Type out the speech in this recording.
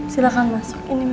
silahkan masuk ini mesinnya